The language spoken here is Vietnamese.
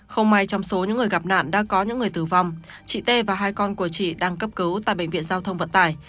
không may trong số những người gặp nạn đã có những người tử vong chị t và hai con của chị đang cấp cứu tại bệnh viện giao thông vận tải